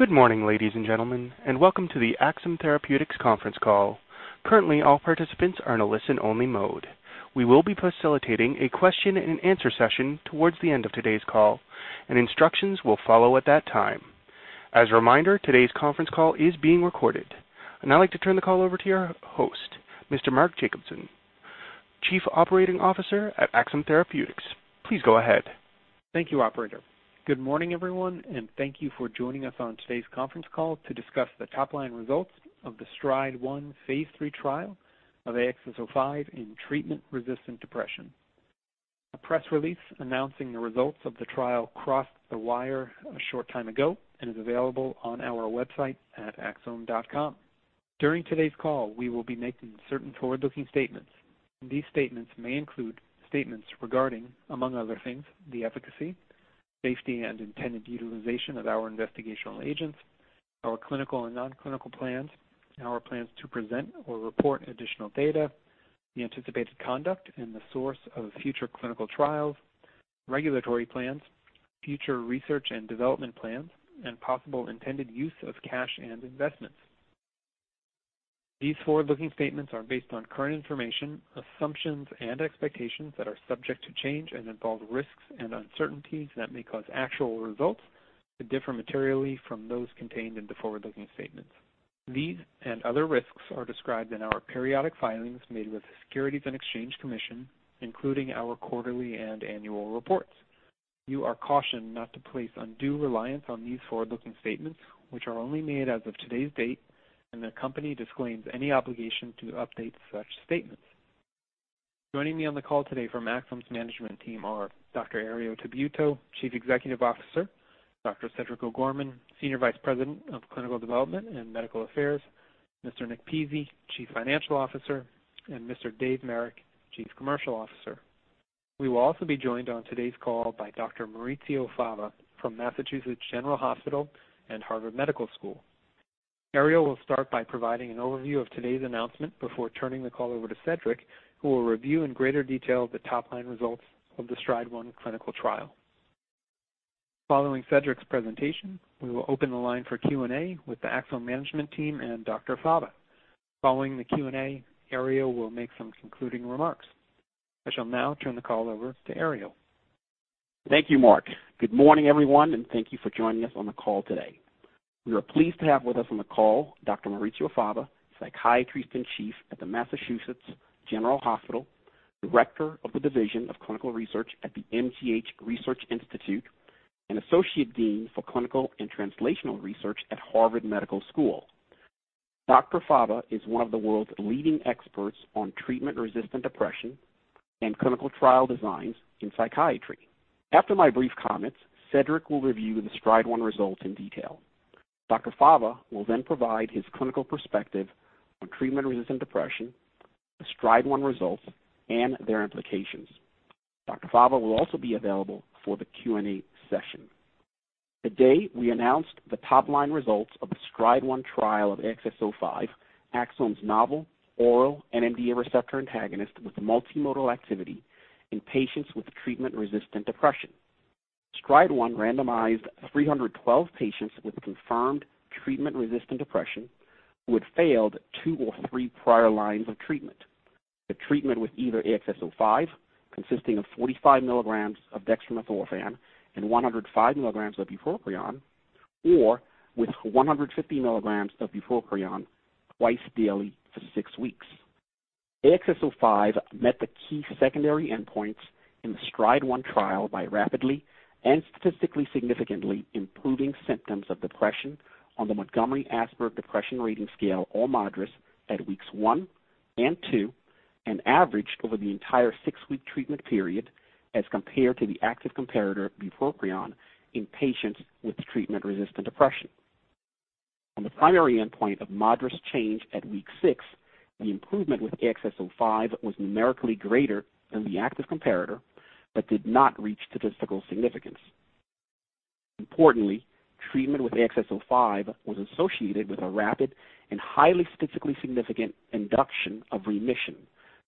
Good morning, ladies and gentlemen, and welcome to the Axsome Therapeutics conference call. Currently, all participants are in a listen-only mode. We will be facilitating a question and answer session towards the end of today's call, and instructions will follow at that time. As a reminder, today's conference call is being recorded. I'd now like to turn the call over to your host, Mr. Mark Jacobson, Chief Operating Officer at Axsome Therapeutics. Please go ahead. Thank you, operator. Good morning, everyone, thank you for joining us on today's conference call to discuss the top-line results of the STRIDE-1 phase III trial of AXS-05 in treatment-resistant depression. A press release announcing the results of the trial crossed the wire a short time ago and is available on our website at axsome.com. During today's call, we will be making certain forward-looking statements. These statements may include statements regarding, among other things, the efficacy, safety, and intended utilization of our investigational agents, our clinical and non-clinical plans, our plans to present or report additional data, the anticipated conduct and the source of future clinical trials, regulatory plans, future research and development plans, and possible intended use of cash and investments. These forward-looking statements are based on current information, assumptions and expectations that are subject to change and involve risks and uncertainties that may cause actual results to differ materially from those contained in the forward-looking statements. These and other risks are described in our periodic filings made with the Securities and Exchange Commission, including our quarterly and annual reports. You are cautioned not to place undue reliance on these forward-looking statements, which are only made as of today's date, and the company disclaims any obligation to update such statements. Joining me on the call today from Axsome's management team are Dr. Herriot Tabuteau, Chief Executive Officer, Dr. Cedric O'Gorman, Senior Vice President of Clinical Development and Medical Affairs, Mr. Nick Pizzie, Chief Financial Officer, and Mr. Dave Marek, Chief Commercial Officer. We will also be joined on today's call by Dr. Maurizio Fava from Massachusetts General Hospital and Harvard Medical School. Herriot will start by providing an overview of today's announcement before turning the call over to Cedric, who will review in greater detail the top-line results of the STRIDE-1 clinical trial. Following Cedric's presentation, we will open the line for Q&A with the Axsome management team and Dr. Fava. Following the Q&A, Herriot will make some concluding remarks. I shall now turn the call over to Herriot. Thank you, Mark. Good morning, everyone, and thank you for joining us on the call today. We are pleased to have with us on the call Dr. Maurizio Fava, psychiatrist-in-chief at the Massachusetts General Hospital, director of the Division of Clinical Research at the MGH Research Institute, and associate dean for Clinical and Translational Research at Harvard Medical School. Dr. Fava is one of the world's leading experts on treatment-resistant depression and clinical trial designs in psychiatry. After my brief comments, Cedric will review the STRIDE-1 results in detail. Dr. Fava will then provide his clinical perspective on treatment-resistant depression, the STRIDE-1 results, and their implications. Dr. Fava will also be available for the Q&A session. Today, we announced the top-line results of the STRIDE-1 trial of AXS-05, Axsome's novel oral NMDA receptor antagonist with multimodal activity in patients with treatment-resistant depression. STRIDE-1 randomized 312 patients with confirmed treatment-resistant depression who had failed two or three prior lines of treatment. The treatment with either AXS-05, consisting of 45 milligrams of dextromethorphan and 105 milligrams of bupropion, or with 150 milligrams of bupropion twice daily for six weeks. AXS-05 met the key secondary endpoints in the STRIDE-1 trial by rapidly and statistically significantly improving symptoms of depression on the Montgomery-Åsberg Depression Rating Scale, or MADRS, at weeks one and two and averaged over the entire six-week treatment period as compared to the active comparator, bupropion, in patients with treatment-resistant depression. On the primary endpoint of MADRS change at week six, the improvement with AXS-05 was numerically greater than the active comparator but did not reach statistical significance. Importantly, treatment with AXS-05 was associated with a rapid and highly statistically significant induction of remission,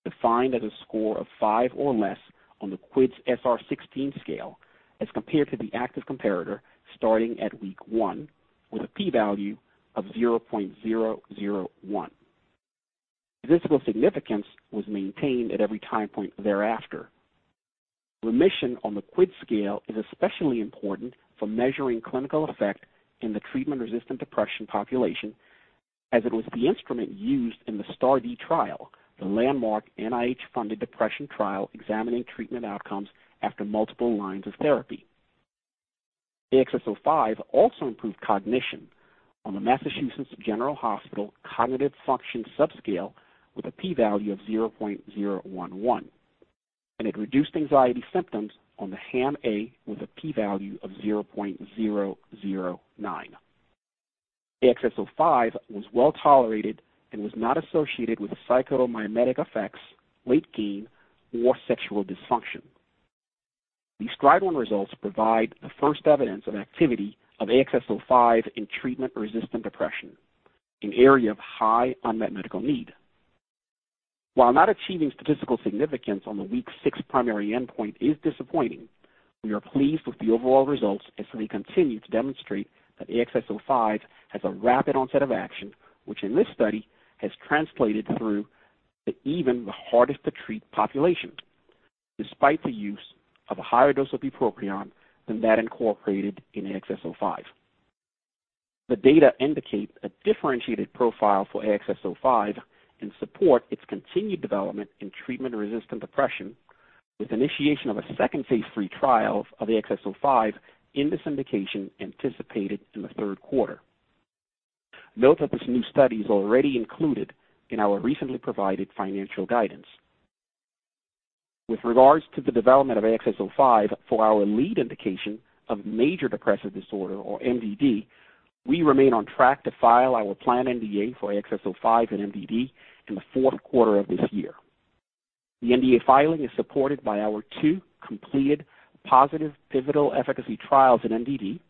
defined as a score of five or less on the QIDS-SR-16 scale as compared to the active comparator starting at week one with a P value of 0.001. Statistical significance was maintained at every time point thereafter. Remission on the QIDS scale is especially important for measuring clinical effect in the treatment-resistant depression population, as it was the instrument used in the study trial, the landmark NIH-funded depression trial examining treatment outcomes after multiple lines of therapy. AXS-05 also improved cognition on the Massachusetts General Hospital Cognitive Function Subscale with a P value of 0.011, it reduced anxiety symptoms on the HAM-A with a P value of 0.009. AXS-05 was well-tolerated and was not associated with psychomimetic effects, weight gain, or sexual dysfunction. The STRIDE-1 results provide the first evidence of activity of AXS-05 in treatment-resistant depression, an area of high unmet medical need. While not achieving statistical significance on the week six primary endpoint is disappointing, we are pleased with the overall results as they continue to demonstrate that AXS-05 has a rapid onset of action, which in this study has translated through to even the hardest to treat population, despite the use of a higher dose of bupropion than that incorporated in AXS-05. The data indicate a differentiated profile for AXS-05 and support its continued development in treatment-resistant depression with initiation of a second phase III trial of AXS-05 in this indication anticipated in the third quarter. Note that this new study is already included in our recently provided financial guidance. With regards to the development of AXS-05 for our lead indication of major depressive disorder or MDD, we remain on track to file our planned NDA for AXS-05 and MDD in the fourth quarter of this year. The NDA filing is supported by our two completed positive pivotal efficacy trials in MDD,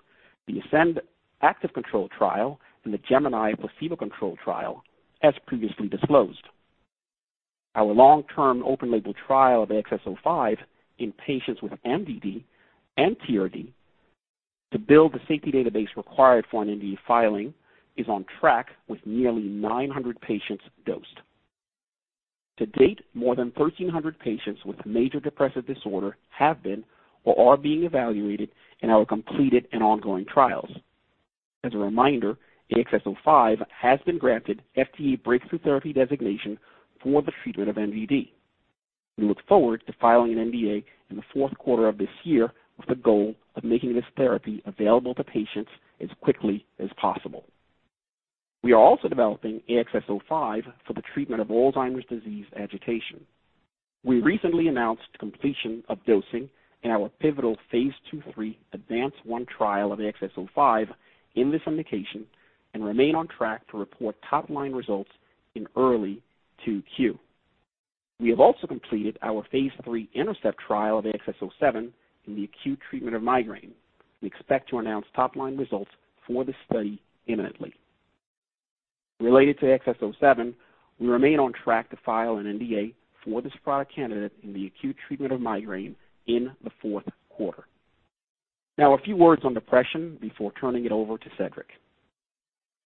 the ASCEND active control trial and the GEMINI placebo-controlled trial, as previously disclosed. Our long-term open label trial of AXS-05 in patients with MDD and TRD to build the safety database required for an NDA filing is on track with nearly 900 patients dosed. To date, more than 1,300 patients with major depressive disorder have been or are being evaluated in our completed and ongoing trials. As a reminder, AXS-05 has been granted FDA breakthrough therapy designation for the treatment of MDD. We look forward to filing an NDA in the fourth quarter of this year with the goal of making this therapy available to patients as quickly as possible. We are also developing AXS-05 for the treatment of Alzheimer's disease agitation. We recently announced completion of dosing in our pivotal phase II/III ADVANCE-1 trial of AXS-05 in this indication and remain on track to report top-line results in early 2Q. We have also completed our phase III INTERCEPT trial of AXS-07 in the acute treatment of migraine. We expect to announce top-line results for this study imminently. Related to AXS-07, we remain on track to file an NDA for this product candidate in the acute treatment of migraine in the fourth quarter. A few words on depression before turning it over to Cedric.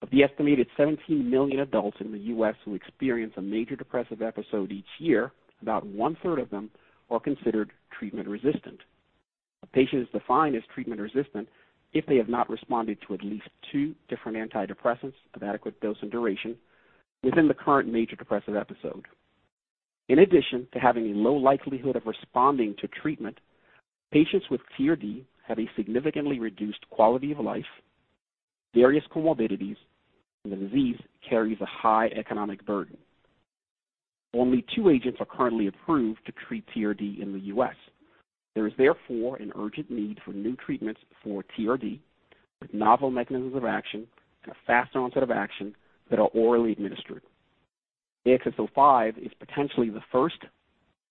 Of the estimated 17 million adults in the U.S. who experience a major depressive episode each year, about one-third of them are considered treatment resistant. A patient is defined as treatment resistant if they have not responded to at least two different antidepressants of adequate dose and duration within the current major depressive episode. In addition to having a low likelihood of responding to treatment, patients with TRD have a significantly reduced quality of life, various comorbidities, and the disease carries a high economic burden. Only two agents are currently approved to treat TRD in the U.S. There is therefore an urgent need for new treatments for TRD with novel mechanisms of action and a faster onset of action that are orally administered. AXS-05 is potentially the first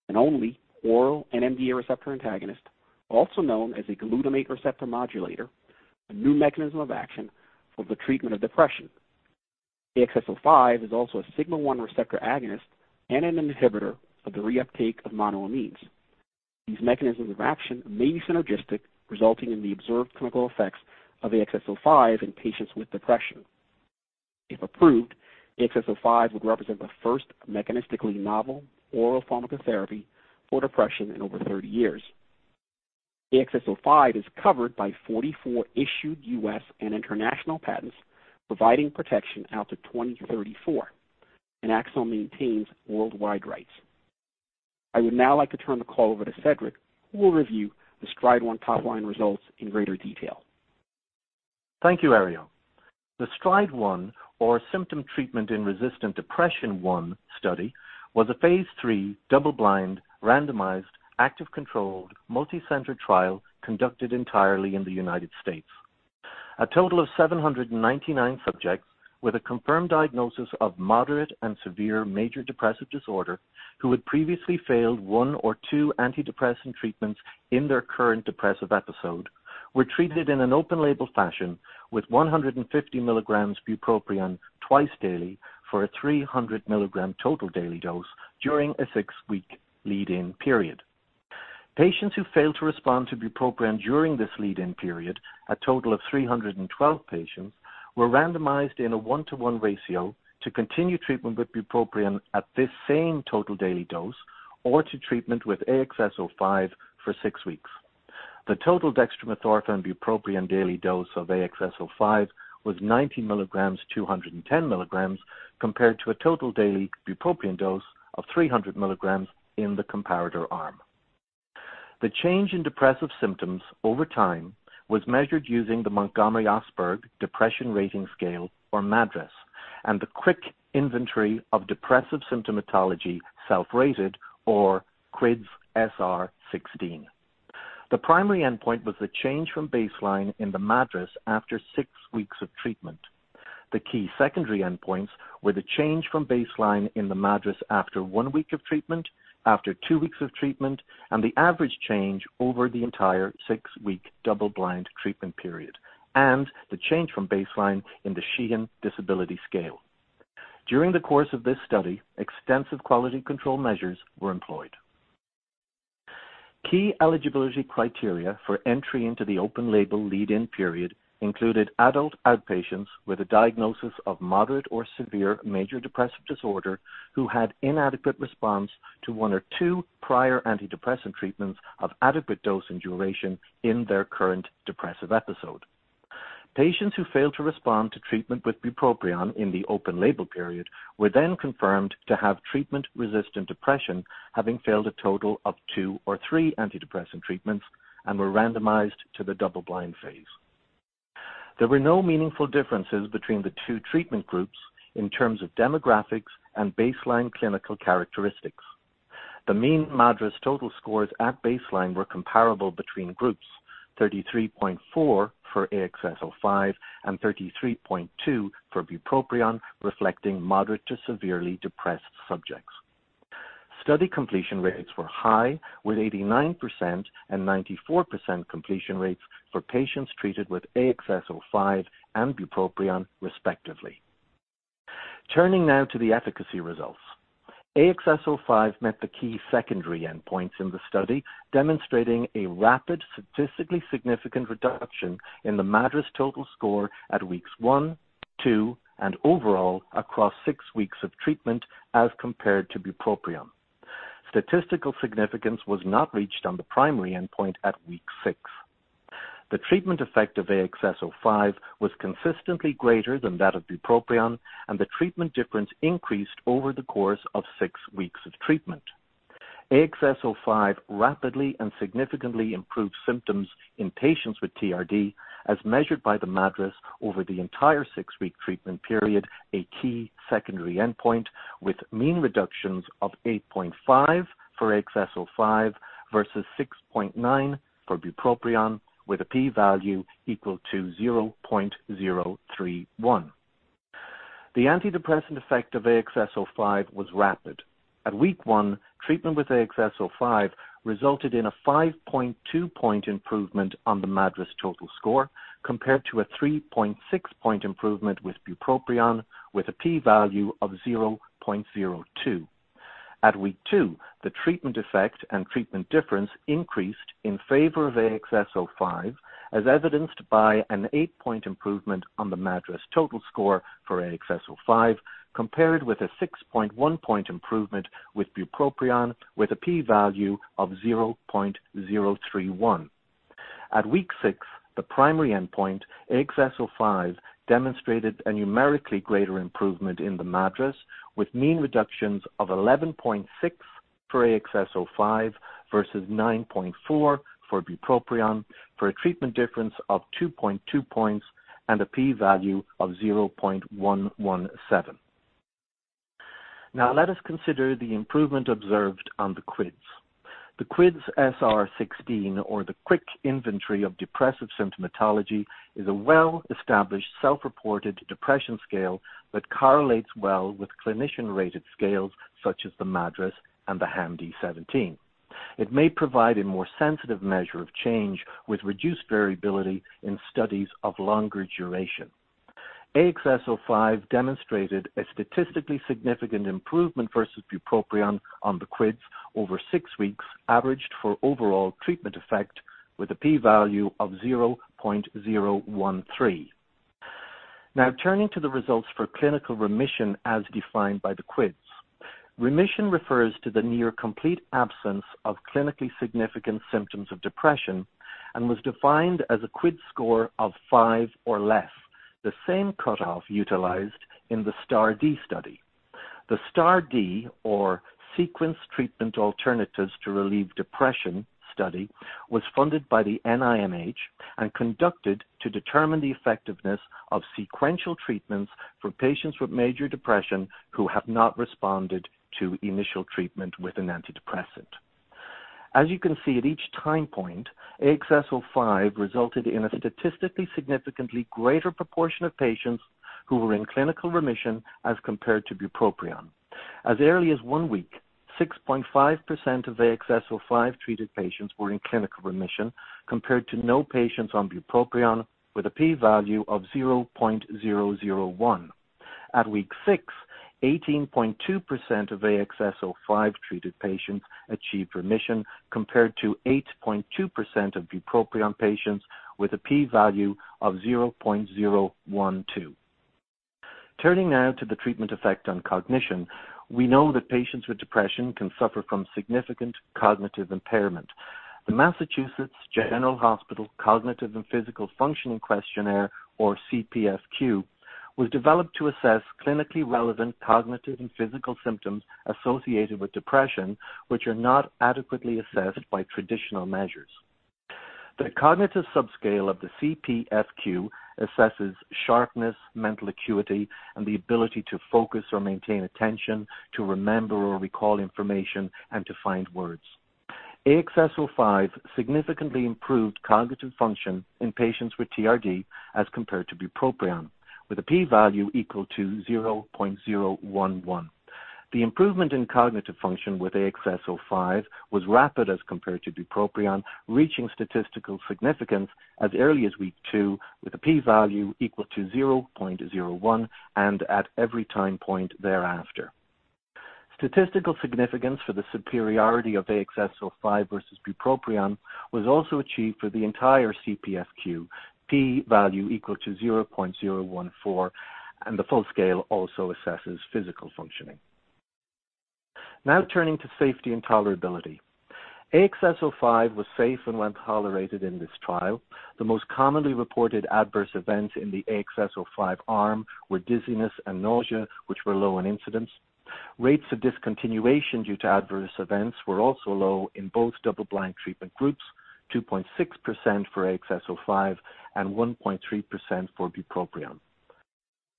and only oral NMDA receptor antagonist, also known as a glutamate receptor modulator, a new mechanism of action for the treatment of depression. AXS-05 is also a sigma-1 receptor agonist and an inhibitor of the reuptake of monoamines. These mechanisms of action may be synergistic, resulting in the observed clinical effects of AXS-05 in patients with depression. If approved, AXS-05 would represent the first mechanistically novel oral pharmacotherapy for depression in over 30 years. AXS-05 is covered by 44 issued U.S. and international patents providing protection out to 2034, and Axsome maintains worldwide rights. I would now like to turn the call over to Cedric, who will review the STRIDE-1 top-line results in greater detail. Thank you, Herriot. The STRIDE 1 or Symptom Treatment in Resistant Depression 1 study was a phase III double-blind, randomized, active-controlled, multicenter trial conducted entirely in the U.S. A total of 799 subjects with a confirmed diagnosis of moderate and severe major depressive disorder who had previously failed one or two antidepressant treatments in their current depressive episode were treated in an open-label fashion with 150 milligrams bupropion twice daily for a 300 milligram total daily dose during a six-week lead-in period. Patients who failed to respond to bupropion during this lead-in period, a total of 312 patients, were randomized in a one-to-one ratio to continue treatment with bupropion at this same total daily dose or to treatment with AXS-05 for six weeks. The total dextromethorphan bupropion daily dose of AXS-05 was 90 milligrams 210 milligrams compared to a total daily bupropion dose of 300 milligrams in the comparator arm. The change in depressive symptoms over time was measured using the Montgomery-Åsberg Depression Rating Scale, or MADRS, and the Quick Inventory of Depressive Symptomatology-Self-Rated or QIDS-SR 16. The primary endpoint was the change from baseline in the MADRS after 6 weeks of treatment. The key secondary endpoints were the change from baseline in the MADRS after one week of treatment, after two weeks of treatment, and the average change over the entire 6-week double-blind treatment period and the change from baseline in the Sheehan Disability Scale. During the course of this study, extensive quality control measures were employed. Key eligibility criteria for entry into the open-label lead-in period included adult outpatients with a diagnosis of moderate or severe major depressive disorder who had inadequate response to one or two prior antidepressant treatments of adequate dose and duration in their current depressive episode. Patients who failed to respond to treatment with bupropion in the open-label period were then confirmed to have treatment-resistant depression, having failed a total of two or three antidepressant treatments, and were randomized to the double-blind phase. There were no meaningful differences between the two treatment groups in terms of demographics and baseline clinical characteristics. The mean MADRS total scores at baseline were comparable between groups, 33.4 for AXS-05 and 33.2 for bupropion, reflecting moderate to severely depressed subjects. Study completion rates were high, with 89% and 94% completion rates for patients treated with AXS-05 and bupropion respectively. Turning now to the efficacy results. AXS-05 met the key secondary endpoints in the study, demonstrating a rapid, statistically significant reduction in the MADRS total score at weeks one, two, and overall across six weeks of treatment as compared to bupropion. Statistical significance was not reached on the primary endpoint at week six. The treatment effect of AXS-05 was consistently greater than that of bupropion, and the treatment difference increased over the course of six weeks of treatment. AXS-05 rapidly and significantly improved symptoms in patients with TRD as measured by the MADRS over the entire six-week treatment period, a key secondary endpoint with mean reductions of 8.5 for AXS-05 versus 6.9 for bupropion with a p-value equal to 0.031. The antidepressant effect of AXS-05 was rapid. At week one, treatment with AXS-05 resulted in a 5.2-point improvement on the MADRS total score compared to a 3.6-point improvement with bupropion with a p-value of 0.02. At week two, the treatment effect and treatment difference increased in favor of AXS-05, as evidenced by an eight-point improvement on the MADRS total score for AXS-05 compared with a 6.1-point improvement with bupropion with a p-value of 0.031. At week six, the primary endpoint, AXS-05 demonstrated a numerically greater improvement in the MADRS with mean reductions of 11.6 for AXS-05 versus 9.4 for bupropion for a treatment difference of 2.2 points and a p-value of 0.117. Now let us consider the improvement observed on the QIDS. The QIDS-SR-16 or the Quick Inventory of Depressive Symptomatology is a well-established self-reported depression scale that correlates well with clinician-rated scales such as the MADRS and the HAM-D17. It may provide a more sensitive measure of change with reduced variability in studies of longer duration. AXS-05 demonstrated a statistically significant improvement versus bupropion on the QIDS over six weeks averaged for overall treatment effect with a p-value of 0.013. Turning to the results for clinical remission as defined by the QIDS. Remission refers to the near-complete absence of clinically significant symptoms of depression and was defined as a QIDS score of 5 or less, the same cutoff utilized in the STAR*D study. The STAR*D, or Sequenced Treatment Alternatives to Relieve Depression study, was funded by the NIMH and conducted to determine the effectiveness of sequential treatments for patients with major depression who have not responded to initial treatment with an antidepressant. As you can see at each time point, AXS-05 resulted in a statistically significantly greater proportion of patients who were in clinical remission as compared to bupropion. As early as one week, 6.5% of AXS-05-treated patients were in clinical remission compared to no patients on bupropion with a p-value of 0.001. At week six, 18.2% of AXS-05-treated patients achieved remission compared to 8.2% of bupropion patients with a p-value of 0.012. Turning now to the treatment effect on cognition. We know that patients with depression can suffer from significant cognitive impairment. The Massachusetts General Hospital Cognitive and Physical Functioning Questionnaire, or CPFQ, was developed to assess clinically relevant cognitive and physical symptoms associated with depression, which are not adequately assessed by traditional measures. The cognitive subscale of the CPFQ assesses sharpness, mental acuity, and the ability to focus or maintain attention, to remember or recall information, and to find words. AXS-05 significantly improved cognitive function in patients with TRD as compared to bupropion with a p-value equal to 0.011. The improvement in cognitive function with AXS-05 was rapid as compared to bupropion, reaching statistical significance as early as week two with a p-value equal to 0.01 and at every time point thereafter. Statistical significance for the superiority of AXS-05 versus bupropion was also achieved for the entire CPFQ, p-value equal to 0.014, and the full scale also assesses physical functioning. Now turning to safety and tolerability. AXS-05 was safe and well-tolerated in this trial. The most commonly reported adverse events in the AXS-05 arm were dizziness and nausea, which were low in incidence. Rates of discontinuation due to adverse events were also low in both double-blind treatment groups, 2.6% for AXS-05 and 1.3% for bupropion.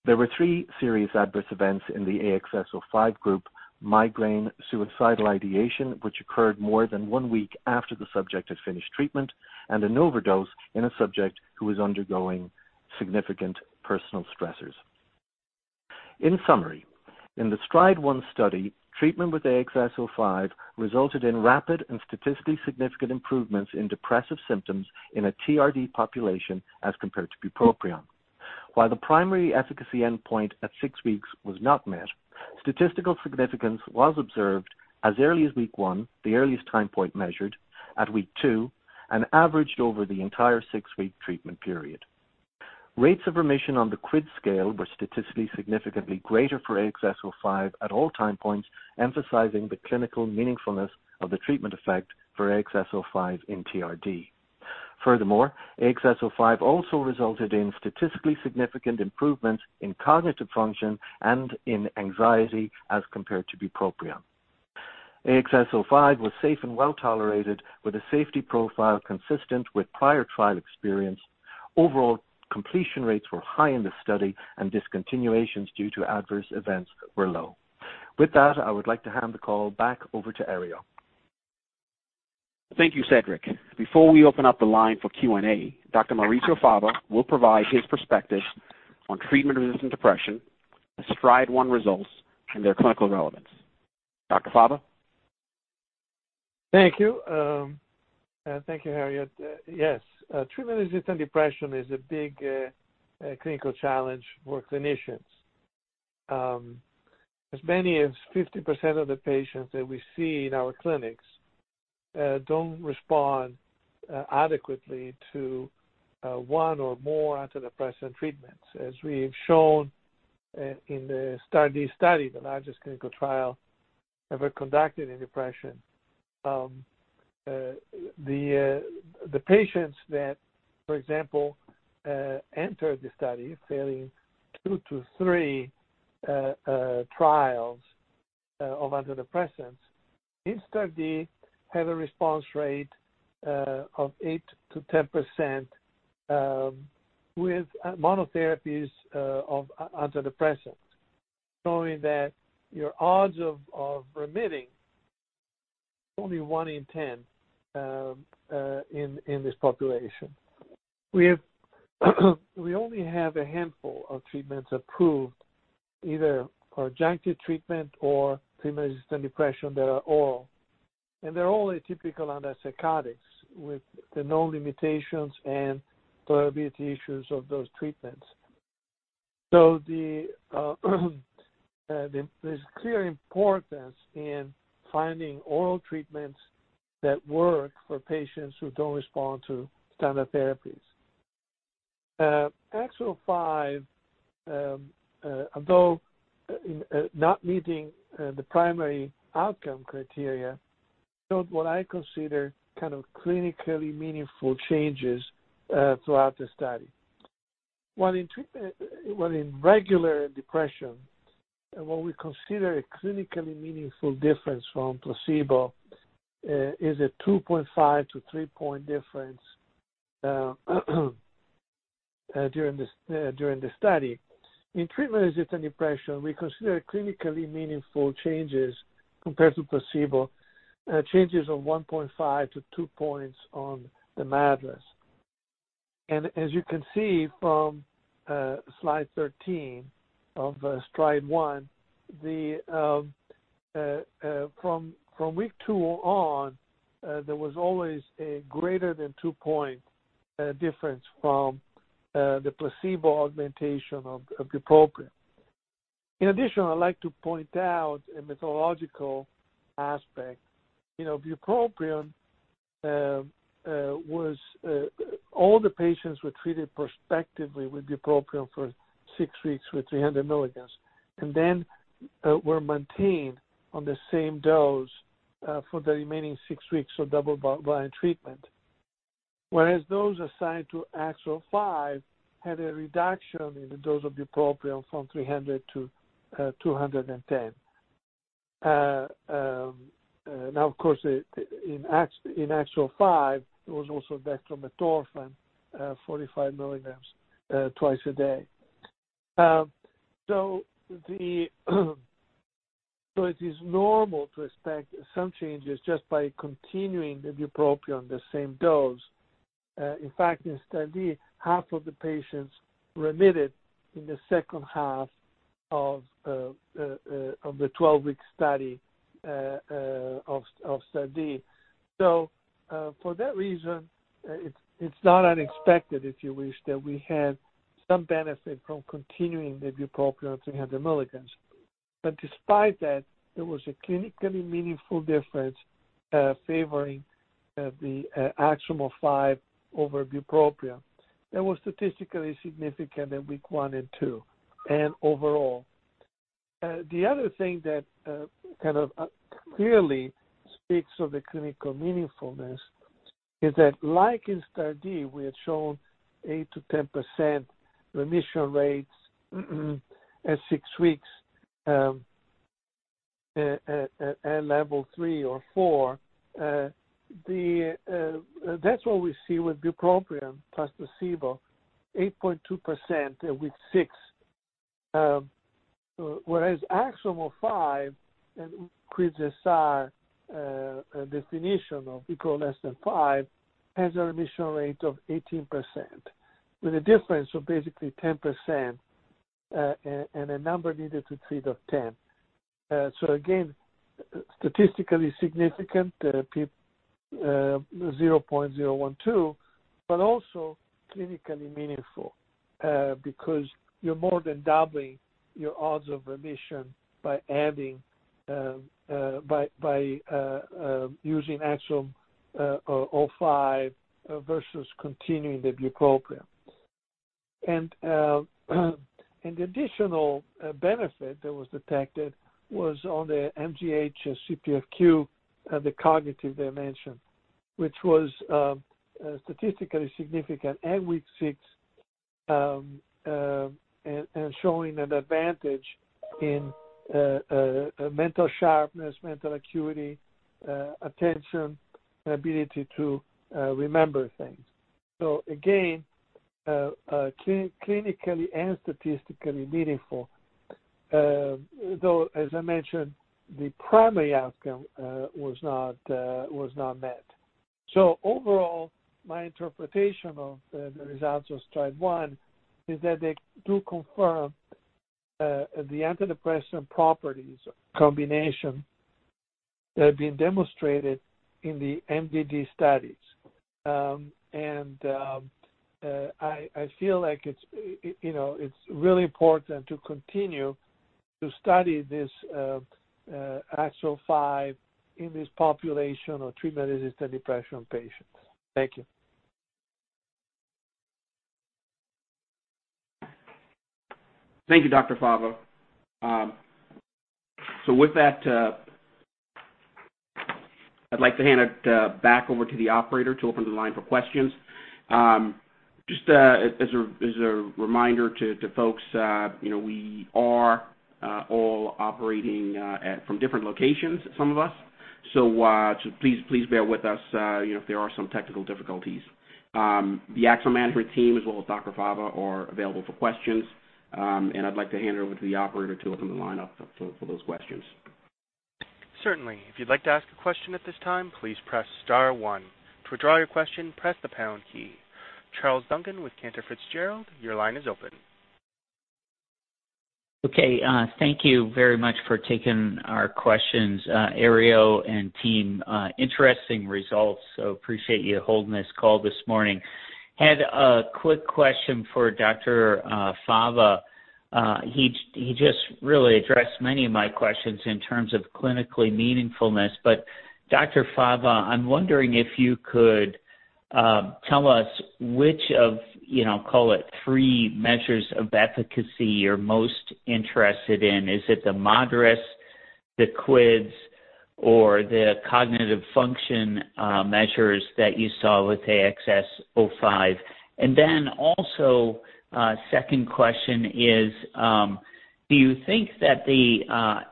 There were three serious adverse events in the AXS-05 group, migraine, suicidal ideation, which occurred more than one week after the subject had finished treatment, and an overdose in a subject who was undergoing significant personal stressors. In summary, in the STRIDE-1 study, treatment with AXS-05 resulted in rapid and statistically significant improvements in depressive symptoms in a TRD population as compared to bupropion. While the primary efficacy endpoint at six weeks was not met, statistical significance was observed as early as week one, the earliest time point measured, at week two, and averaged over the entire six-week treatment period. Rates of remission on the QIDS scale were statistically significantly greater for AXS-05 at all time points, emphasizing the clinical meaningfulness of the treatment effect for AXS-05 in TRD. Furthermore, AXS-05 also resulted in statistically significant improvements in cognitive function and in anxiety as compared to bupropion. AXS-05 was safe and well-tolerated with a safety profile consistent with prior trial experience. Overall completion rates were high in the study, and discontinuations due to adverse events were low. With that, I would like to hand the call back over to Herriot. Thank you, Cedric. Before we open up the line for Q&A, Dr. Maurizio Fava will provide his perspective on treatment-resistant depression, STRIDE-1 results, and their clinical relevance. Dr. Fava? Thank you. Thank you, Herriot. Treatment-resistant depression is a big clinical challenge for clinicians. As many as 50% of the patients that we see in our clinics don't respond adequately to one or more antidepressant treatments. As we have shown in the STAR*D study, the largest clinical trial ever conducted in depression. The patients that, for example, entered the study failing two to three trials of antidepressants in STAR*D had a response rate of 8% to 10% with monotherapies of antidepressants, showing that your odds of remitting only one in 10 in this population. We only have a handful of treatments approved, either adjunctive treatment or treatment-resistant depression that are oral. They're only typical antipsychotics with the known limitations and tolerability issues of those treatments. There's clear importance in finding oral treatments that work for patients who don't respond to standard therapies. AXS-05, although not meeting the primary outcome criteria, showed what I consider clinically meaningful changes throughout the study. While in regular depression, what we consider a clinically meaningful difference from placebo is a 2.5 to three-point difference during the study. In treatment-resistant depression, we consider clinically meaningful changes compared to placebo changes of 1.5 to two points on the MADRS. As you can see from slide 13 of STRIDE-1, from week two on, there was always a greater than two-point difference from the placebo augmentation of bupropion. In addition, I'd like to point out a methodological aspect. Bupropion, all the patients were treated prospectively with bupropion for six weeks with 300 milligrams and then were maintained on the same dose for the remaining six weeks of double-blind treatment. Whereas those assigned to AXS-05 had a reduction in the dose of bupropion from 300 to 210. Now, of course, in AXS-05, there was also dextromethorphan, 45 mg twice a day. It is normal to expect some changes just by continuing the bupropion the same dose. In fact, in STAR*D, half of the patients remitted in the second half of the 12-week study. For that reason, it is not unexpected, if you wish, that we had some benefit from continuing the bupropion 300 mg. Despite that, there was a clinically meaningful difference favoring the AXS-05 over bupropion that was statistically significant at week one and two, and overall. The other thing that clearly speaks of the clinical meaningfulness is that like, we in STAR*D shown eight to 10% remission rates at six weeks at level three or four. That is what we see with bupropion plus placebo, 8.2% at week six. Whereas AXS-05, and QIDS-SR definition of equal less than five, has a remission rate of 18%, with a difference of basically 10%, and a number needed to treat of 10. Again, statistically significant, 0.012, but also clinically meaningful, because you're more than doubling your odds of remission by using AXS-05 versus continuing the bupropion. The additional benefit that was detected was on the MGH CPFQ, the cognitive dimension, which was statistically significant at week six, and showing an advantage in mental sharpness, mental acuity, attention, and ability to remember things. Again, clinically and statistically meaningful. Though, as I mentioned, the primary outcome was not met. Overall, my interpretation of the results of STRIDE-1 is that they do confirm the antidepressant properties combination that have been demonstrated in the MDD studies. I feel like it's really important to continue to study this AXS-05 in this population of treatment-resistant depression patients. Thank you. Thank you, Dr. Fava. With that, I'd like to hand it back over to the operator to open the line for questions. Just as a reminder to folks, we are all operating from different locations, some of us. Please bear with us if there are some technical difficulties. The Axsome management team, as well as Dr. Fava, are available for questions. I'd like to hand it over to the operator to open the line up for those questions. Certainly. If you'd like to ask a question at this time, please press Star one. To withdraw your question, press the pound key. Charles Duncan with Cantor Fitzgerald, your line is open. Okay. Thank you very much for taking our questions, Herriot and team. Interesting results, appreciate you holding this call this morning. Had a quick question for Dr. Fava. He just really addressed many of my questions in terms of clinically meaningfulness. Dr. Fava, I'm wondering if you could tell us which of, call it three measures of efficacy, you're most interested in. Is it the MADRS, the QIDS, or the cognitive function measures that you saw with AXS-05? Then also, second question is, do you think that the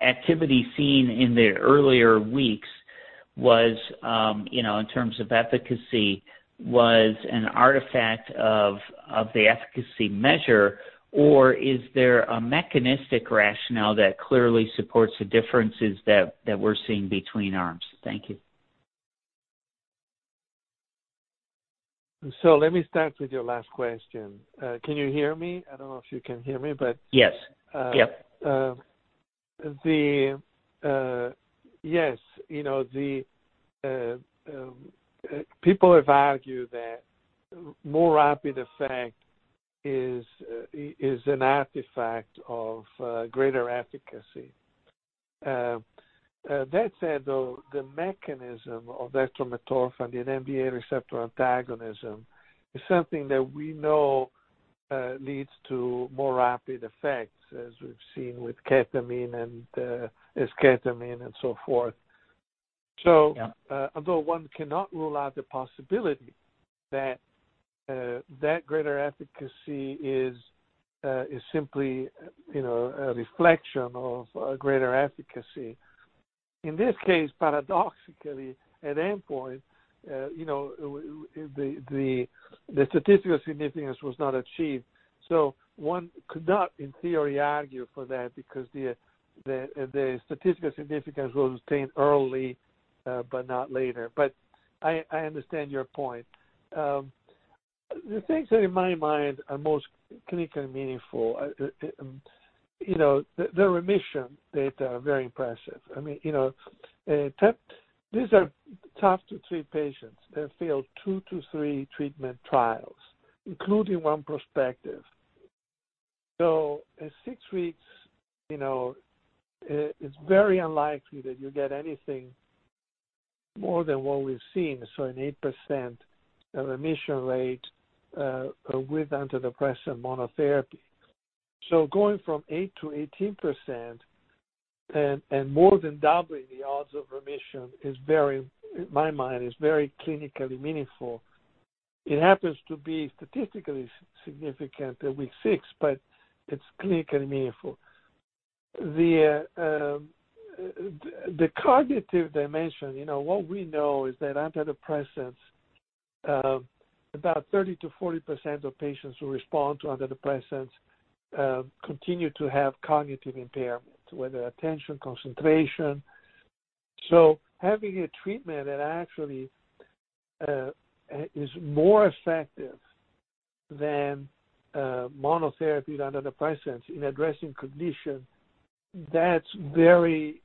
activity seen in the earlier weeks was, in terms of efficacy, was an artifact of the efficacy measure, or is there a mechanistic rationale that clearly supports the differences that we're seeing between arms? Thank you. Let me start with your last question. Can you hear me? I don't know if you can hear me. Yes. Yep. Yes. People have argued that more rapid effect is an artifact of greater efficacy. That said, though, the mechanism of esketamine, the NMDA receptor antagonism, is something that we know leads to more rapid effects, as we've seen with ketamine and esketamine and so forth. Yeah. Although one cannot rule out the possibility that greater efficacy is simply a reflection of a greater efficacy. In this case, paradoxically, at endpoint the statistical significance was not achieved. One could not, in theory, argue for that because the statistical significance was obtained early, but not later. I understand your point. The things that in my mind are most clinically meaningful are. Their remission data are very impressive. These are tough to treat patients. They've failed two to three treatment trials, including one prospective. At six weeks, it's very unlikely that you get anything more than what we've seen. An 8% remission rate with antidepressant monotherapy. Going from eight to 18% and more than doubling the odds of remission, in my mind, is very clinically meaningful. It happens to be statistically significant at week six, but it's clinically meaningful. The cognitive dimension, what we know is that antidepressants, about 30%-40% of patients who respond to antidepressants continue to have cognitive impairment, whether attention, concentration. Having a treatment that actually is more effective than monotherapy and antidepressants in addressing cognition, that's very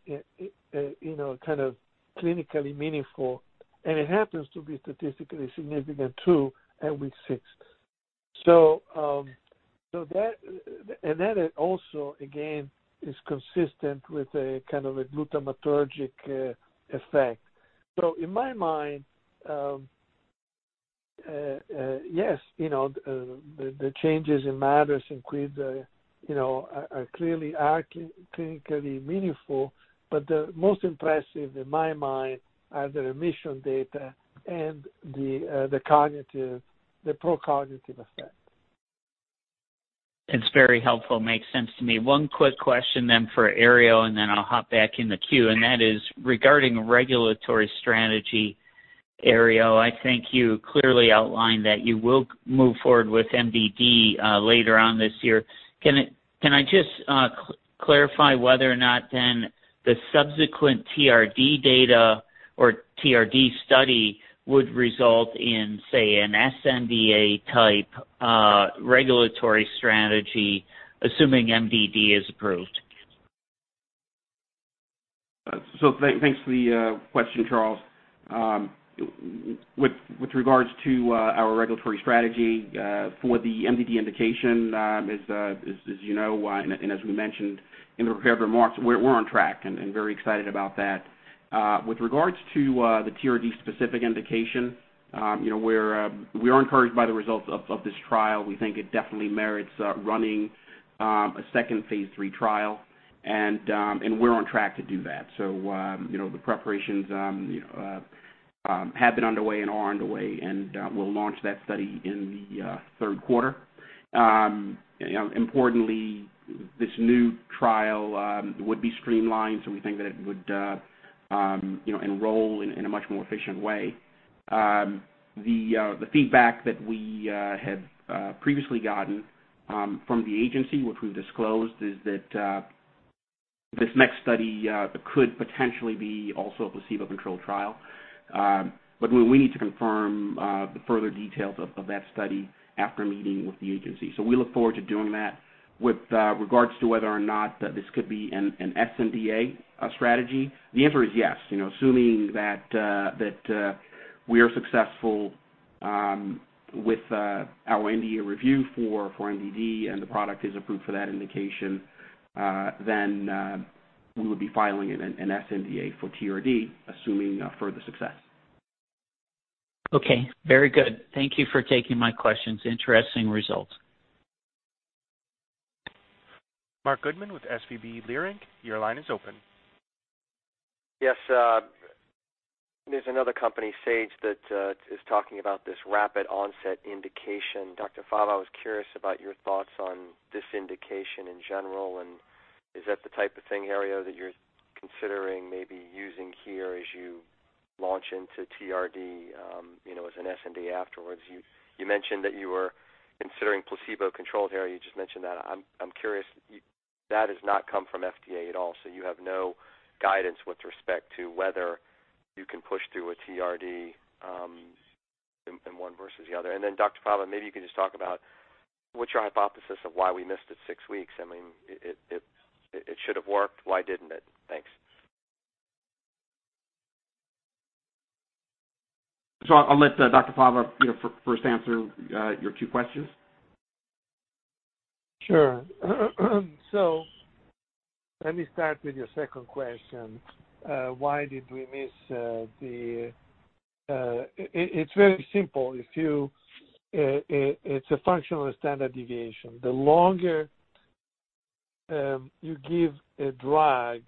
clinically meaningful, and it happens to be statistically significant, too, at week six. That also, again, is consistent with a kind of a glutamatergic effect. In my mind, yes, the changes in MADRS and QIDS are clinically meaningful, the most impressive, in my mind, are the remission data and the procognitive effect. It's very helpful. Makes sense to me. One quick question then for Herriot, and then I'll hop back in the queue, and that is regarding regulatory strategy. Herriot, I think you clearly outlined that you will move forward with MDD later on this year. Can I just clarify whether or not then the subsequent TRD data or TRD study would result in, say, an sNDA type regulatory strategy, assuming MDD is approved? Thanks for the question, Charles. With regards to our regulatory strategy for the MDD indication, as you know and as we mentioned in the prepared remarks, we're on track and very excited about that. With regards to the TRD specific indication, we are encouraged by the results of this trial. We think it definitely merits running a second phase III trial, we're on track to do that. The preparations have been underway and are underway, we'll launch that study in the third quarter. Importantly, this new trial would be streamlined, we think that it would enroll in a much more efficient way. The feedback that we had previously gotten from the agency, which we've disclosed, is that this next study could potentially be also a placebo-controlled trial. We need to confirm the further details of that study after meeting with the agency. We look forward to doing that. With regards to whether or not this could be an sNDA strategy, the answer is yes. Assuming that we are successful with our NDA review for MDD and the product is approved for that indication, we will be filing an sNDA for TRD, assuming further success. Okay. Very good. Thank you for taking my questions. Interesting results. Marc Goodman with SVB Securities, your line is open. Yes. There's another company, Sage Therapeutics, that is talking about this rapid onset indication. Dr. Fava, I was curious about your thoughts on this indication in general, and is that the type of thing, Herriot, that you're considering maybe using here as you launch into TRD as an sNDA afterwards? You mentioned that you were considering placebo controlled, Herriot. You just mentioned that. I'm curious, that has not come from FDA at all, so you have no guidance with respect to whether you can push through a TRD in one versus the other. Dr. Fava, maybe you can just talk about what's your hypothesis of why we missed at six weeks? I mean, it should've worked. Why didn't it? Thanks. I'll let Dr. Fava first answer your two questions. Sure. Let me start with your second question. Why did we miss it? It's very simple. It's a function of a standard deviation. The longer you give a drug,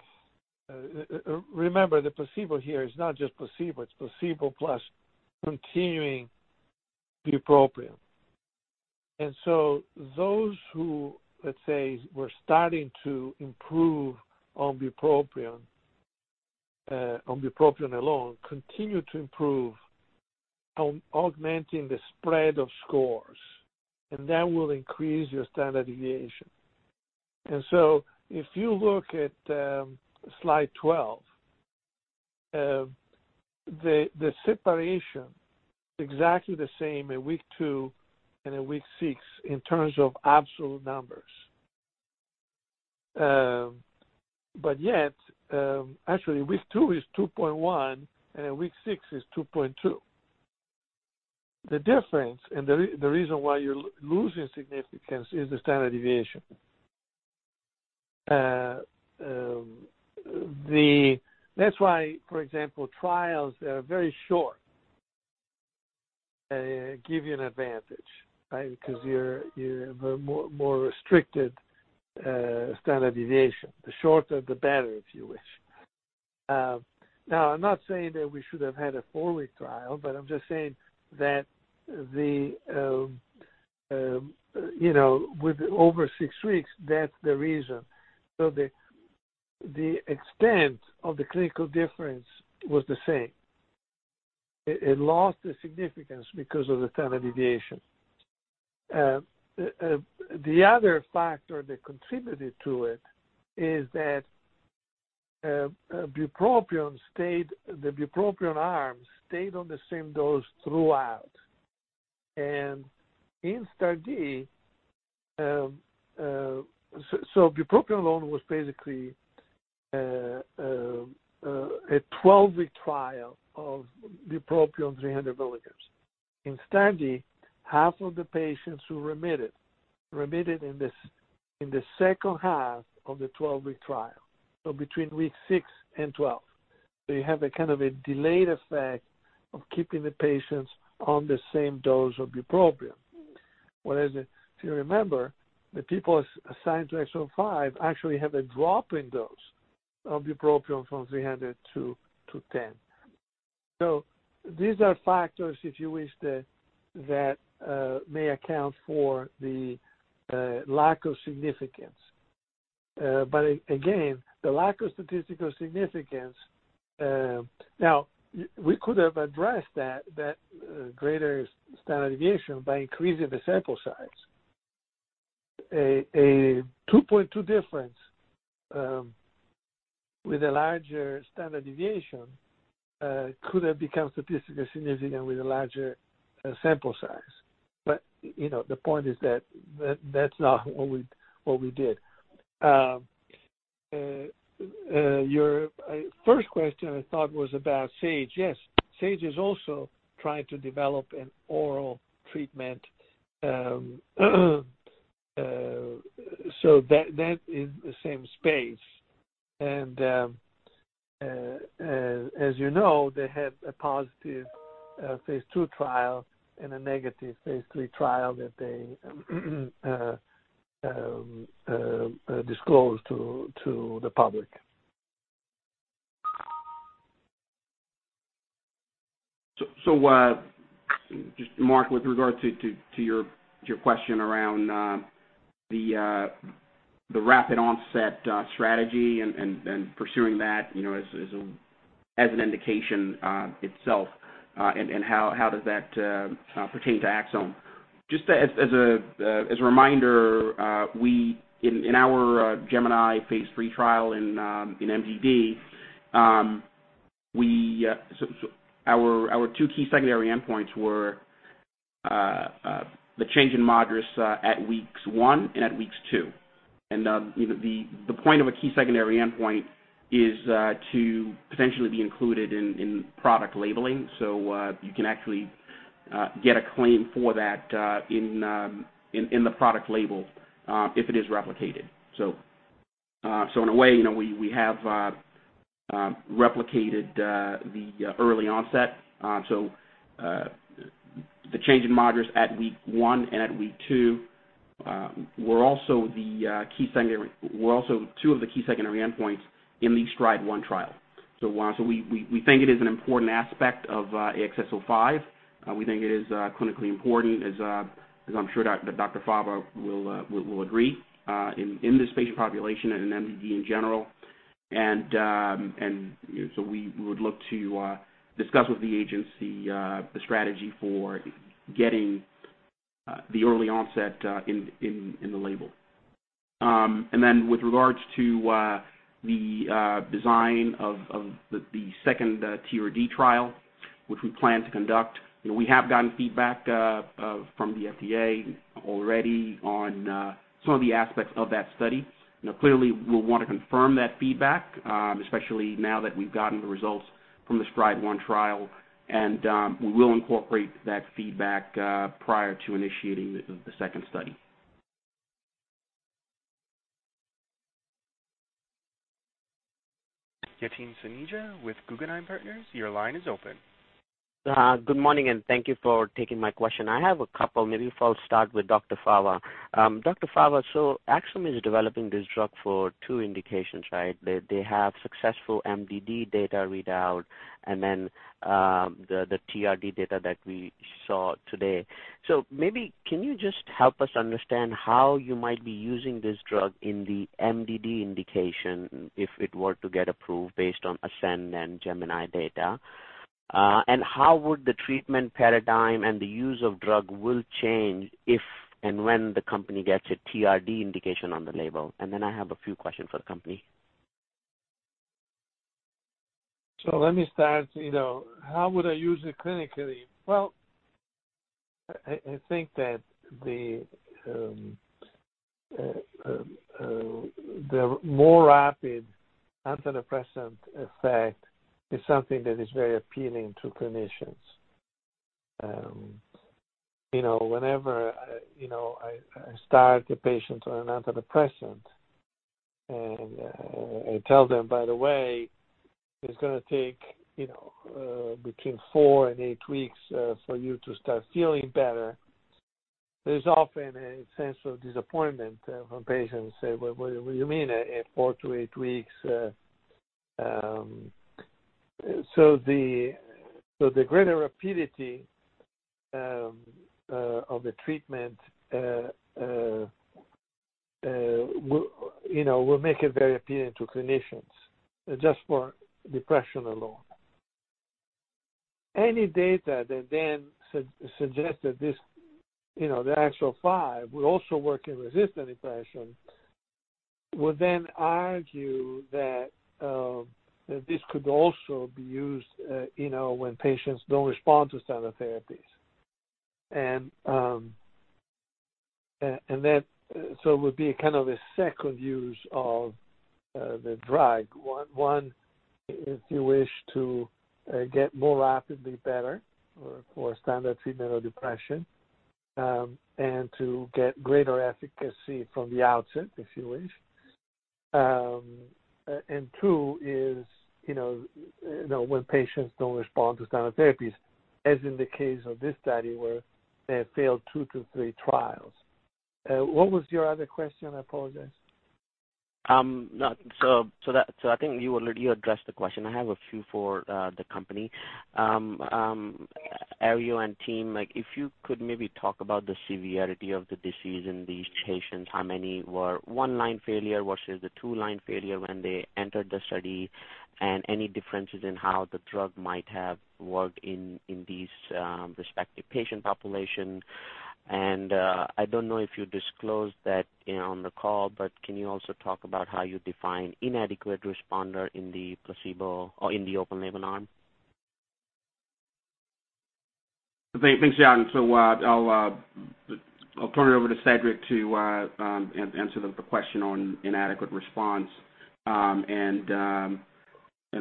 remember, the placebo here is not just placebo, it's placebo plus continuing bupropion. Those who, let's say, were starting to improve on bupropion alone continue to improve on augmenting the spread of scores, and that will increase your standard deviation. If you look at slide 12, the separation exactly the same at week two and at week six in terms of absolute numbers. Actually week two is 2.1 and at week six is 2.2. The difference, and the reason why you're losing significance is the standard deviation. That's why, for example, trials that are very short give you an advantage, right? Because you have a more restricted standard deviation. The shorter, the better, if you wish. I'm not saying that we should have had a four-week trial, but I'm just saying that with over six weeks, that's the reason. The extent of the clinical difference was the same. It lost the significance because of the standard deviation. The other factor that contributed to it is that the bupropion arms stayed on the same dose throughout. Bupropion alone was basically a 12-week trial of bupropion 300 milligrams. In STAR*D, half of the patients who remitted in the second half of the 12-week trial. Between week six and 12. You have a kind of a delayed effect of keeping the patients on the same dose of bupropion. Whereas if you remember, the people assigned to AXS-05 actually have a drop in dose of bupropion from 300 to 10. These are factors, if you wish, that may account for the lack of significance. Again, the lack of statistical significance. Now, we could have addressed that greater standard deviation by increasing the sample size. A 2.2 difference with a larger standard deviation could have become statistically significant with a larger sample size. The point is that that's not what we did. Your first question, I thought, was about Sage. Yes, Sage is also trying to develop an oral treatment. That is the same space. As you know, they had a positive phase II trial and a negative phase III trial that they disclosed to the public. Just Mark, with regard to your question around the rapid onset strategy and pursuing that as an indication itself, and how does that pertain to Axsome. Just as a reminder, in our GEMINI phase III trial in MDD, our two key secondary endpoints were the change in MADRS at weeks one and at weeks two. The point of a key secondary endpoint is to potentially be included in product labeling. You can actually get a claim for that in the product label if it is replicated. In a way, we have replicated the early onset. The change in MADRS at week one and at week two were also two of the key secondary endpoints in the STRIDE-1 trial. We think it is an important aspect of AXS-05. We think it is clinically important, as I'm sure that Dr. Fava will agree, in this patient population and in MDD in general. We would look to discuss with the agency, the strategy for getting the early onset in the label. With regards to the design of the second TRD trial, which we plan to conduct, we have gotten feedback from the FDA already on some of the aspects of that STAR*D. Clearly, we'll want to confirm that feedback, especially now that we've gotten the results from the STRIDE-1 trial. We will incorporate that feedback prior to initiating the second study. Yatin Suneja with Guggenheim Partners, your line is open. Good morning, and thank you for taking my question. I have a couple, maybe if I'll start with Dr. Fava. Dr. Fava, Axsome is developing this drug for two indications, right? They have successful MDD data readout, then the TRD data that we saw today. Maybe can you just help us understand how you might be using this drug in the MDD indication if it were to get approved based on ASCEND and GEMINI data? How would the treatment paradigm and the use of drug will change if and when the company gets a TRD indication on the label? Then I have a few questions for the company. Let me start. How would I use it clinically? Well, I think that the more rapid antidepressant effect is something that is very appealing to clinicians. Whenever I start a patient on an antidepressant and I tell them, "By the way, it's going to take between four and eight weeks for you to start feeling better," there's often a sense of disappointment from patients. They say, "What do you mean four to eight weeks?" The greater rapidity of the treatment will make it very appealing to clinicians, just for depression alone. Any data that then suggests that the AXS-05 will also work in resistant depression would then argue that this could also be used when patients don't respond to standard therapies. It would be a second use of the drug. One, if you wish to get more rapidly better for standard treatment of depression and to get greater efficacy from the outset, if you wish. Two is when patients don't respond to standard therapies, as in the case of this study where they have failed 2-3 trials. What was your other question? I apologize. I think you addressed the question. I have a few for the company. Ari and team, if you could maybe talk about the severity of the disease in these patients, how many were one-line failure versus the two-line failure when they entered the STAR*D, and any differences in how the drug might have worked in these respective patient populations. I don't know if you disclosed that on the call, but can you also talk about how you define inadequate responder in the open-label arm? Thanks, Yatin. I'll turn it over to Cedric to answer the question on inadequate response and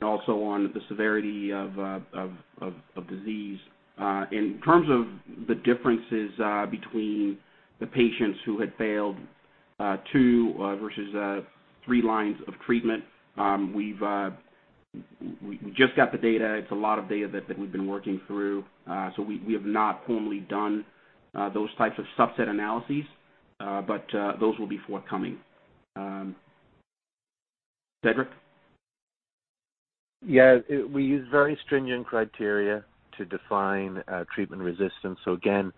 also on the severity of disease. In terms of the differences between the patients who had failed two versus three lines of treatment. We just got the data. It's a lot of data that we've been working through. We have not formally done those types of subset analyses but those will be forthcoming. Cedric? Yeah. We use very stringent criteria to define treatment resistance. Again,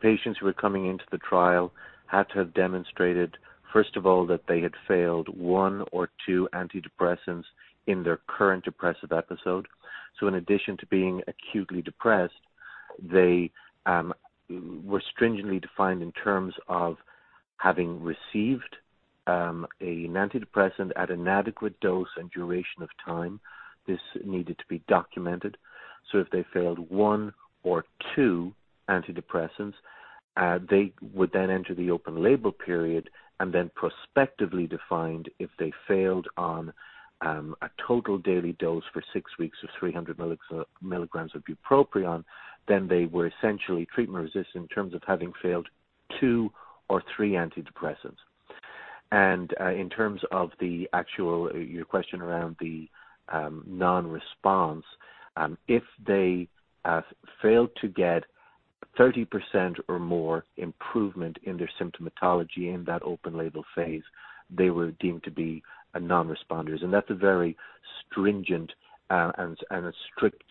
patients who are coming into the trial had to have demonstrated, first of all, that they had failed one or two antidepressants in their current depressive episode. In addition to being acutely depressed, they were stringently defined in terms of having received an antidepressant at an adequate dose and duration of time. This needed to be documented. If they failed one or two antidepressants, they would then enter the open-label period and then prospectively defined if they failed on a total daily dose for six weeks of 300 milligrams of bupropion, then they were essentially treatment-resistant in terms of having failed two or three antidepressants. In terms of your question around the non-response, if they have failed to get 30% or more improvement in their symptomatology in that open-label phase, they were deemed to be non-responders. That's a very stringent and a strict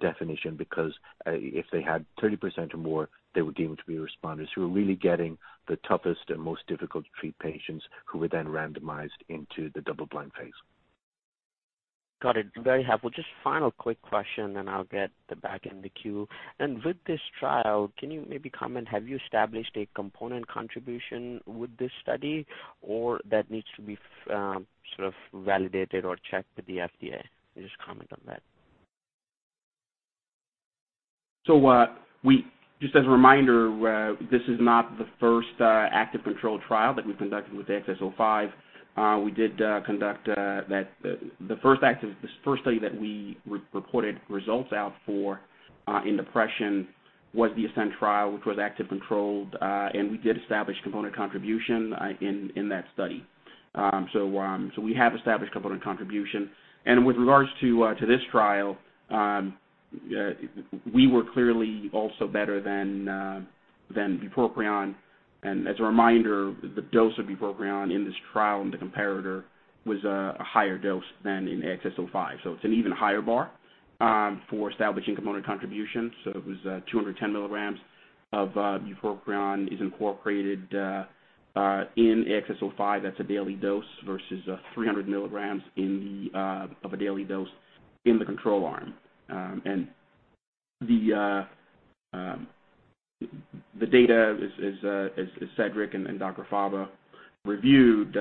definition because if they had 30% or more, they were deemed to be responders who were really getting the toughest and most difficult to treat patients who were then randomized into the double-blind phase. Got it. Very helpful. Just final quick question, I'll get back in the queue. With this trial, can you maybe comment, have you established a component contribution with this STAR*D or that needs to be sort of validated or checked with the FDA? Just comment on that. Just as a reminder, this is not the first active control trial that we conducted with AXS-05. The firststudy that we reported results out for in depression was the ASCEND trial, which was active controlled and we did establish component contribution in that STAR*D. We have established component contribution. With regards to this trial, we were clearly also better than bupropion. As a reminder, the dose of bupropion in this trial in the comparator was a higher dose than in AXS-05. It's an even higher bar for establishing component contribution. It was 210 milligrams of bupropion is incorporated in AXS-05. That's a daily dose versus 300 milligrams of a daily dose in the control arm. The data, as Cedric and Dr. Fava reviewed,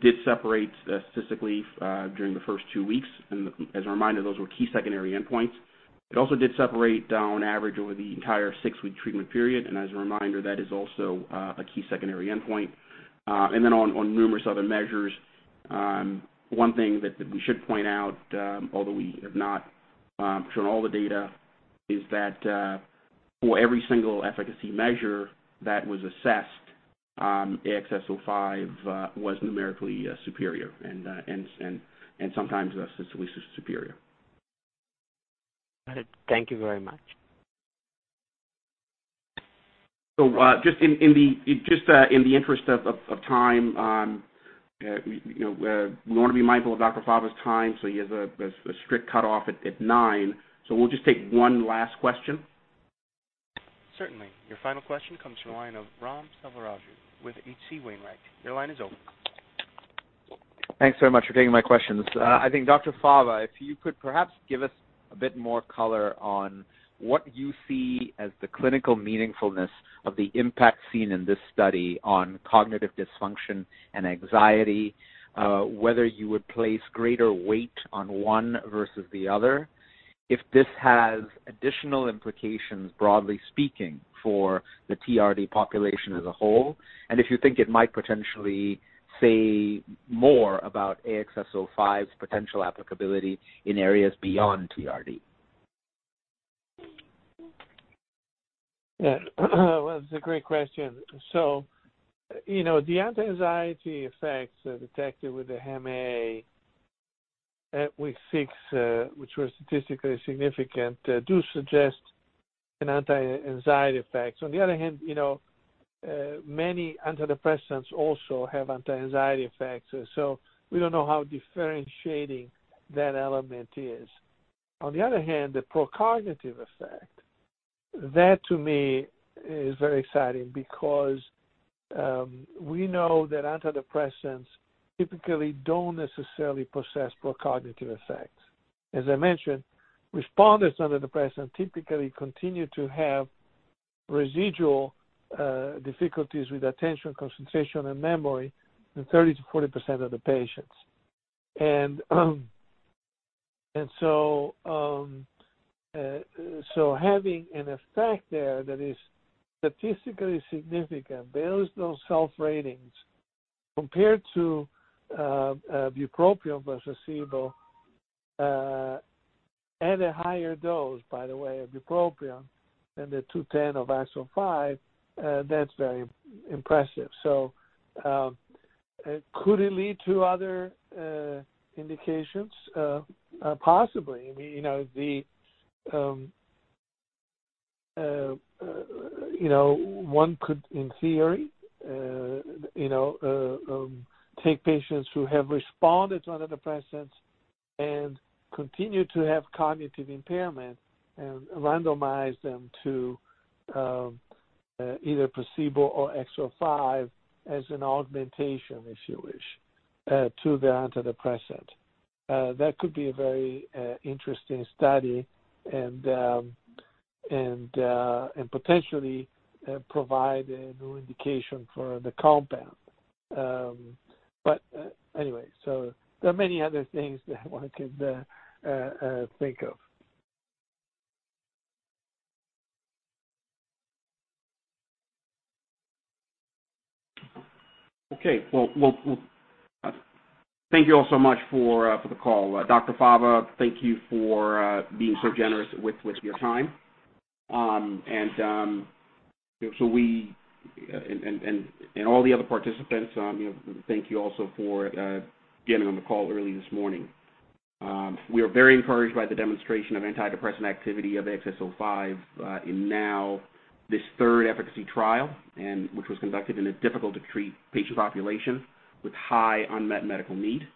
did separate statistically during the first two weeks. As a reminder, those were key secondary endpoints. It also did separate on average over the entire six-week treatment period. As a reminder, that is also a key secondary endpoint. On numerous other measures, one thing that we should point out, although we have not shown all the data, is that for every single efficacy measure that was assessed, AXS-05 was numerically superior and sometimes statistically superior. Thank you very much. Just in the interest of time, we want to be mindful of Dr. Fava's time. He has a strict cutoff at 9:00, so we'll just take one last question. Certainly. Your final question comes from the line of Ram Selvaraju with H.C. Wainwright. Your line is open. Thanks very much for taking my questions. I think, Dr. Fava, if you could perhaps give us a bit more color on what you see as the clinical meaningfulness of the impact seen in this study on cognitive dysfunction and anxiety, whether you would place greater weight on one versus the other. If this has additional implications, broadly speaking, for the TRD population as a whole, and if you think it might potentially say more about AXS-05's potential applicability in areas beyond TRD. Well, it's a great question. The anti-anxiety effects detected with the HAM-A at week six, which were statistically significant, do suggest an anti-anxiety effect. On the other hand, many antidepressants also have anti-anxiety effects. We don't know how differentiating that element is. On the other hand, the pro-cognitive effect, that to me is very exciting because we know that antidepressants typically don't necessarily possess pro-cognitive effects. As I mentioned, responders on antidepressant typically continue to have residual difficulties with attention, concentration, and memory in 30%-40% of the patients. Having an effect there that is statistically significant, those self-ratings compared to bupropion versus placebo at a higher dose, by the way, of bupropion than the 210 of AXS-05, that's very impressive. Could it lead to other indications? Possibly. One could, in theory, take patients who have responded to antidepressants and continue to have cognitive impairment and randomize them to either placebo or AXS-05 as an augmentation, if you wish, to the antidepressant. That could be a very interesting STAR*D and potentially provide a new indication for the compound. Anyway, so there are many other things that one could think of. Okay. Well, thank you all so much for the call. Dr. Fava, thank you for being so generous with your time. All the other participants, thank you also for getting on the call early this morning. We are very encouraged by the demonstration of antidepressant activity of AXS-05 in now this third efficacy trial, and which was conducted in a difficult-to-treat patient population with high unmet medical need.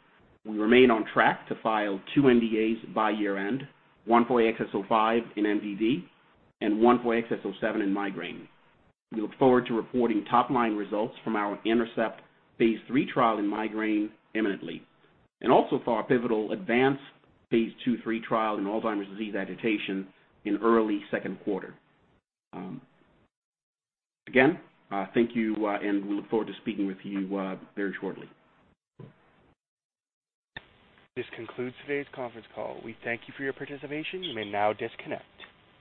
We remain on track to file two NDAs by year-end, one for AXS-05 in MDD and one for AXS-07 in migraine. We look forward to reporting top-line results from our INTERCEPT phase III trial in migraine imminently, and also for our pivotal ADVANCE-1 phase II-III trial in Alzheimer's disease agitation in early second quarter. Again, thank you, and we look forward to speaking with you very shortly. This concludes today's conference call. We thank you for your participation. You may now disconnect.